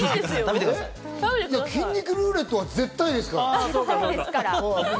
筋肉ルーレットは絶対ですからね。